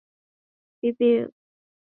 其治所位于。